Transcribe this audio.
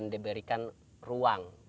untuk berbicara tentang perjalanan ke gorontalo